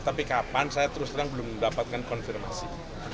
tapi kapan saya terus terang belum mendapatkan konfirmasi